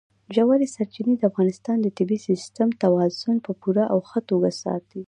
ژورې سرچینې د افغانستان د طبعي سیسټم توازن په پوره او ښه توګه ساتي.